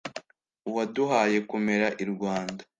Uwaduhaye kumera i Rwanda.